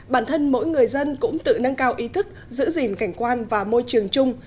bản thân mỗi người dân cũng tự nâng cao ý thức giữ gìn cảnh quan và môi trường chung